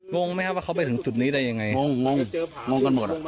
งงไหมครับว่าเขาไปถึงจุดนี้ได้ยังไงงงงงงกันหมด